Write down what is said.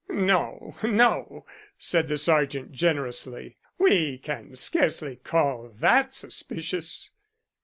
"No, no," said the sergeant generously. "We can scarcely call that suspicious."